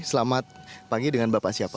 selamat pagi dengan bapak siapa